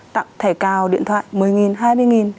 tặng thẻ cào điện thoại